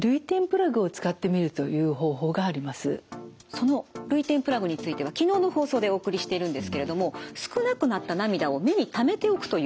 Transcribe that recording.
その涙点プラグについては昨日の放送でお送りしてるんですけれども少なくなった涙を目にためておくというものなんです。